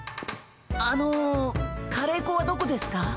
あのカレーこはどこですか？